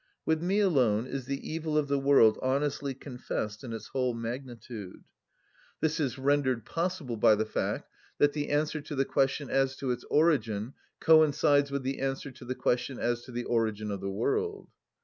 With me alone is the evil of the world honestly confessed in its whole magnitude: this is rendered possible by the fact that the answer to the question as to its origin coincides with the answer to the question as to the origin of the world.